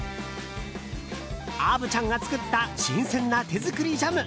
虻ちゃんが作った新鮮な手作りジャム。